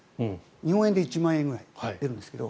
日本円で１万円ぐらい出るんですけど。